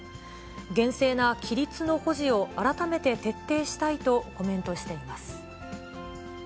厳正な規律の保持を改めて徹底したいとコメントしています。